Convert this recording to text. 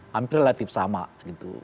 hampir relatif sama gitu